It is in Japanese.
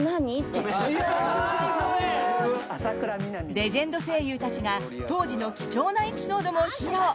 レジェンド声優たちが当時の貴重なエピソードも披露！